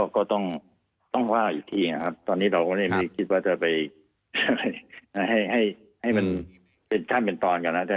ก็ต้องว่าอยู่ที่นะครับตอนนี้เราก็ไม่คิดว่าจะไปให้มันเป็นขั้นเป็นตอนกันนะ